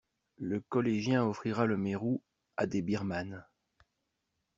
Le collégien offrira le mérou à des birmanes.